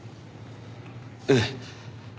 ええ。